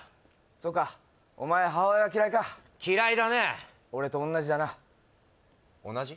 そうかおまえ母親は嫌いか嫌いだね俺とおんなじだな同じ？